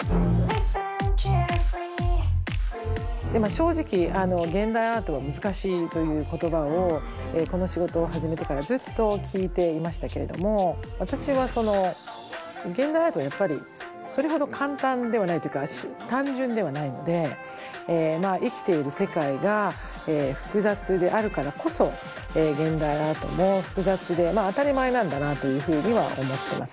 正直「現代アートは難しい」という言葉をこの仕事を始めてからずっと聞いていましたけれども私は現代アートはやっぱりそれほど簡単ではないというか単純ではないので生きている世界が複雑であるからこそ現代アートも複雑でまあ当たり前なんだなというふうには思ってます。